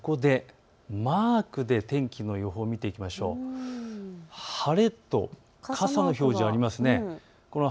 マークで天気の予報を見ていきますと晴れと傘の表示がありますね。